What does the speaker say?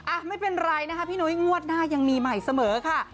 อ่ะไม่เป็นไรนะคะพี่นุ้ยงวดหน้ายังมีใหม่เสมอค่ะ